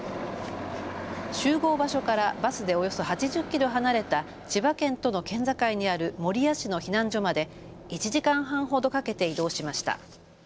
集合場所からバスでおよそ８０キロ離れた千葉県との県境にある守谷市の避難所まで１時間半ほどかけて移動しました。